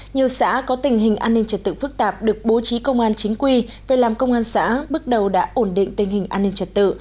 nhiều xã có tình hình an ninh trật tự phức tạp được bố trí công an chính quy về làm công an xã bước đầu đã ổn định tình hình an ninh trật tự